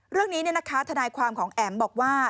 เรื่องนี้นะคะธนายความของแอ๋มบอกว่า